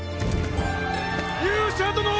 勇者殿！